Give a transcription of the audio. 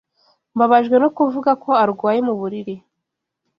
Mbabajwe no kuvuga ko arwaye mu buriri.